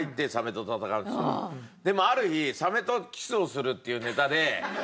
でもある日サメとキスをするっていうネタで。